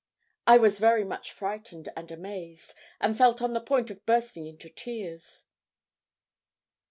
I was very much frightened and amazed, and felt on the point of bursting into tears.